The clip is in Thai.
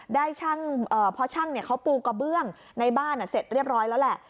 ได้ช่างเพราะช่างเนี่ยเขาปูกระเบื้องในบ้านเสร็จเรียบร้อยแล้วแหละ